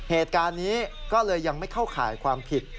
เหตุการณ์นี้ก็เลยยังไม่เข้าข่ายความผิด